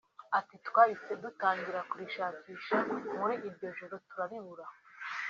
Ati “Twahise dutangira kurishakisha muri iryo joro turaribura